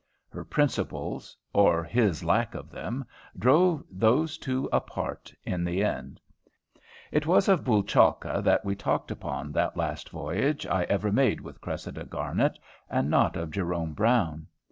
Her "principles," or his lack of them, drove those two apart in the end. It was of Bouchalka that we talked upon that last voyage I ever made with Cressida Garnet, and not of Jerome Brown.